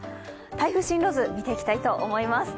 台風進路図、見ていきたいと思います。